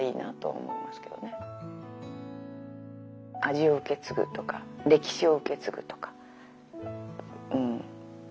味を受け継ぐとか歴史を受け継ぐとかそういうことかな。